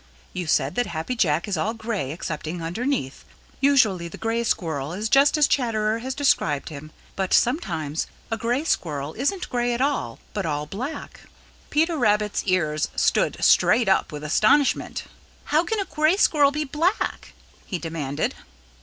"You said that Happy Jack is all gray excepting underneath. Usually the Gray Squirrel is just as Chatterer has described him, but sometimes a Gray Squirrel isn't gray at all, but all black." Peter Rabbit's ears stood straight up with astonishment. "How can a Gray Squirrel be black?" he demanded.